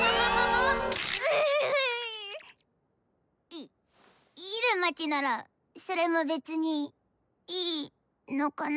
いっ入間ちならそれも別にいいのかな？